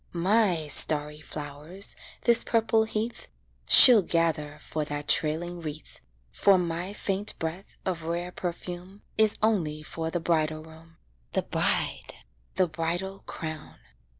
My starry flowers this purple heath She'll gather for that trailing wreath; For my faint breath of rare perfume Is only for the bridal room The bride the bridal crown.